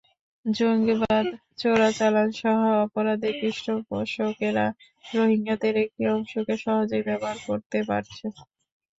জঙ্গিবাদ, চোরাচালানসহ অপরাধের পৃষ্ঠপোষকেরা রোহিঙ্গাদের একটি অংশকে সহজেই ব্যবহার করতে পারছে।